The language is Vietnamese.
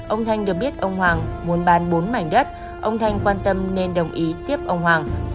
ông thanh được biết ông hoàng muốn bán bốn mảnh đất ông thanh quan tâm nên đồng ý tiếp ông hoàng